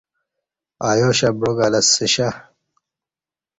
ایاشہ بعاکہ لسیشہ